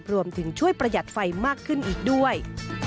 รวมถึงช่วยประหยัดไฟมากขึ้นอีกด้วย